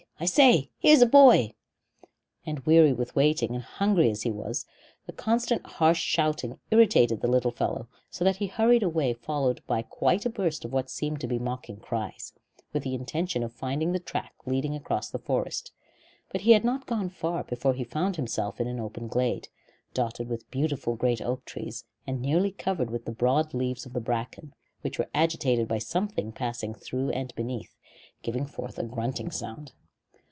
I say, here's a boy." And weary with waiting, and hungry as he was, the constant harsh shouting irritated the little fellow so that he hurried away followed by quite a burst of what seemed to be mocking cries, with the intention of finding the track leading across the forest; but he had not gone far before he found himself in an open glade, dotted with beautiful great oak trees, and nearly covered with the broad leaves of the bracken, which were agitated by something passing through and beneath, giving forth a grunting sound.